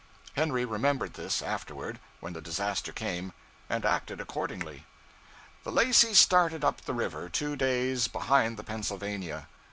Henry remembered this, afterward, when the disaster came, and acted accordingly. The 'Lacey' started up the river two days behind the 'Pennsylvania.'